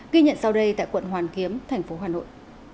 ghi nhận sau đây tại quận hoàn kiếm thành phố hà nội